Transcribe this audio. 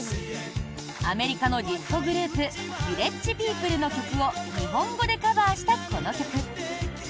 アメリカのディスコグループヴィレッジ・ピープルの曲を日本語でカバーしたこの曲。